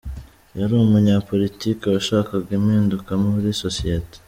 Yari umunyapolitiki washakaga impinduka muri sosiyete.